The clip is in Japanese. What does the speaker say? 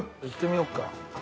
行ってみよっか。